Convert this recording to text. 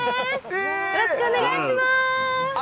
よろしくお願いします。